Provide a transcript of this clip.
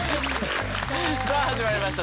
さあ始まりました